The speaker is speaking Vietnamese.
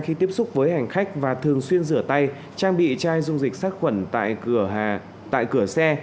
khi tiếp xúc với hành khách và thường xuyên rửa tay trang bị chai dung dịch sát khuẩn tại cửa xe